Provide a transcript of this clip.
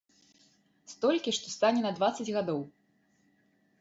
Столькі, што стане на дваццаць гадоў.